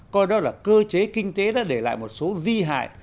coi đó là cơ chế kinh tế đã để lại một số di hại